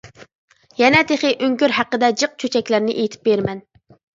يەنە تېخى ئۆڭكۈر ھەققىدە جىق چۆچەكلەرنى ئېيتىپ بېرىمەن.